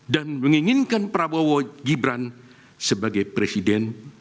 dan menginginkan prabowo gibran sebagai presiden